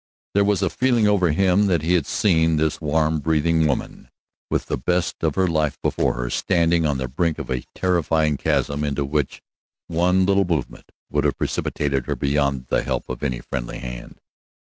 There was a feeling over him that he had seen this warm, breathing woman, with the best of her life before her, standing on the brink of a terrifying chasm into which one little movement would have precipitated her beyond the help of any friendly hand.